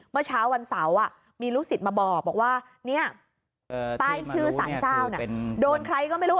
เมื่อเช้าวันเสาร์มีลูกศิษย์มาบอกว่าเนี่ยใต้ชื่อสารเจ้าโดนใครก็ไม่รู้